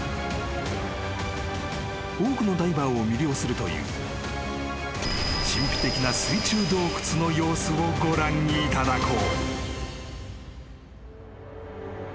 ［多くのダイバーを魅了するという神秘的な水中洞窟の様子をご覧いただこう］